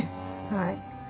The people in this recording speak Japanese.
はい。